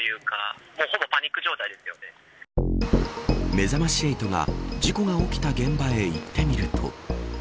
めざまし８が事故が起きた現場へ行ってみると。